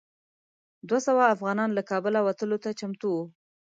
دوه سوه افغانان له کابله وتلو ته چمتو وو.